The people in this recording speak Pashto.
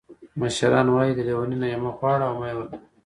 مشران وایي: لیوني نه یې مه غواړه او مه یې ورکوه.